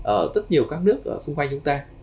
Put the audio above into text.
ở rất nhiều các nước xung quanh chúng ta